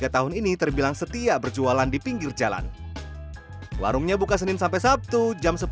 tiga tahun ini terbilang setia berjualan di pinggir jalan warungnya buka senin sampai sabtu jam sepuluh